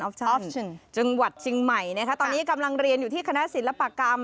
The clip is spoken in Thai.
จังหวัดเชียงใหม่นะคะตอนนี้กำลังเรียนอยู่ที่คณะศิลปกรรม